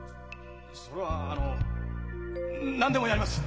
それはあの何でもやります。